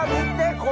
これ！